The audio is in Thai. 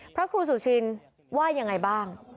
พระครูสุชินว่ายังไงบ้าง